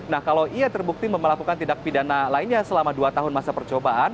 nah kalau ia terbukti melakukan tindak pidana lainnya selama dua tahun masa percobaan